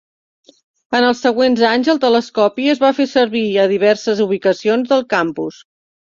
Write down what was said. En els següents anys el telescopi es va fer servi a diverses ubicacions del campus.